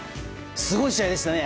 すごい試合でしたね！